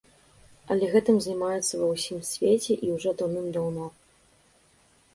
Але гэтым займаюцца ва ўсім свеце і ўжо даўным-даўно.